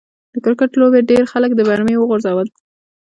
د کرکټ لوبې ډېر خلک د برمې و غورځول.